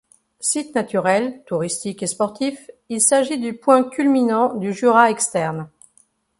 Site naturel, touristique et sportif, il s'agit du point culminant du Jura externe.